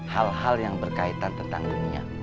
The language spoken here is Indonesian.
hal hal yang berkaitan tentang dunia